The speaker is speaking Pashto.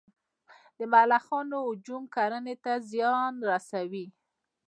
د ملخانو هجوم کرنې ته زیان رسوي؟